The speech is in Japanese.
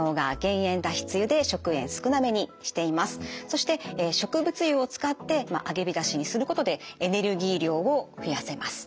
そして植物油を使って揚げびたしにすることでエネルギー量を増やせます。